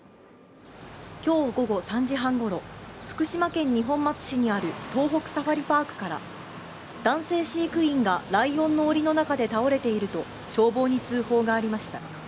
今日午後３時半ごろ福島県二本松市にある東北サファリパークから男性飼育員がライオンのおりの中で倒れていると消防に通報がありました。